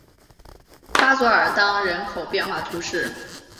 巴佐尔当人口变化图示